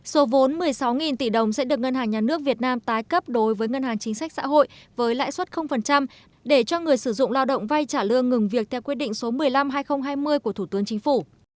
số vốn một mươi sáu tỷ đồng sẽ được ngân hàng nhà nước việt nam tái cấp đối với ngân hàng chính sách xã hội với lãi suất để cho người sử dụng lao động vay trả lương ngừng việc theo quyết định số một mươi năm hai nghìn hai mươi của thủ tướng chính phủ